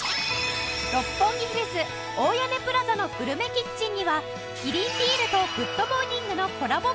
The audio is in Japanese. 六本木ヒルズ大屋根プラザのグルメキッチンにはキリンビールと『グッド！モーニング』のコラボ